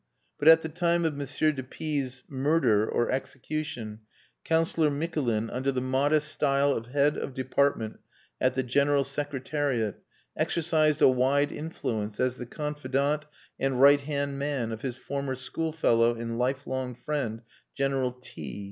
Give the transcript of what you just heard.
But at the time of M. de P 's murder (or execution) Councillor Mikulin, under the modest style of Head of Department at the General Secretariat, exercised a wide influence as the confidant and right hand man of his former schoolfellow and lifelong friend, General T